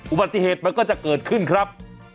อุบัติเหตุมันก็จะเกิดขึ้นครับ